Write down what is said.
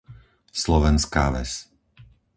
Slovenská Ves